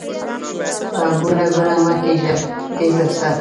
کونه کونه مه کېږه، تېز ځه!